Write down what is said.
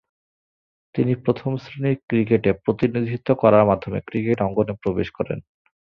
তিনি প্রথম-শ্রেণীর ক্রিকেটে প্রতিনিধিত্ব করার মাধ্যমে ক্রিকেট অঙ্গনে প্রবেশ করেন।